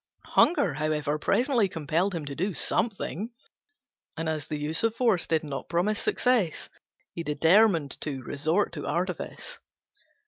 Hunger, however, presently compelled him to do something: and as the use of force did not promise success, he determined to resort to artifice.